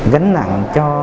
gánh nặng cho